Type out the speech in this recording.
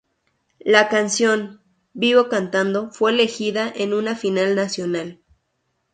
La canción, "Vivo cantando", fue elegida en una final nacional.